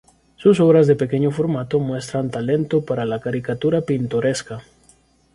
Sus obras de pequeño formato muestran talento para la caricatura pintoresca.